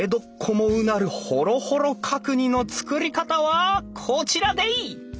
もうなるホロホロ角煮の作り方はこちらでい！